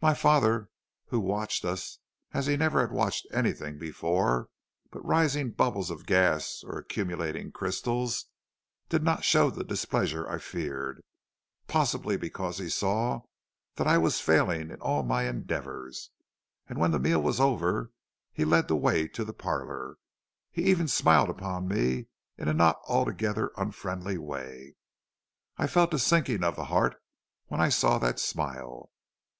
"My father, who watched us as he never had watched anything before but rising bubbles of gas or accumulating crystals, did not show the displeasure I feared, possibly because he saw that I was failing in all my endeavors; and when the meal over, he led the way to the parlor, he even smiled upon me in a not altogether unfriendly way. I felt a sinking of the heart when I saw that smile.